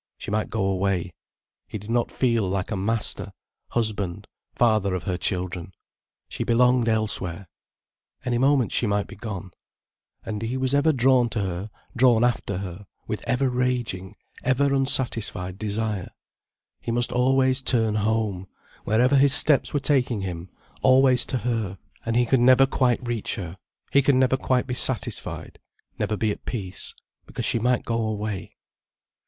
She might go away. He did not feel like a master, husband, father of her children. She belonged elsewhere. Any moment, she might be gone. And he was ever drawn to her, drawn after her, with ever raging, ever unsatisfied desire. He must always turn home, wherever his steps were taking him, always to her, and he could never quite reach her, he could never quite be satisfied, never be at peace, because she might go away.